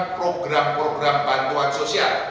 program program bantuan sosial